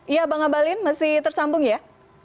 iya banga balin masih tersambung ya